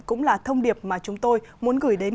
cũng là thông điệp mà chúng tôi muốn gửi đến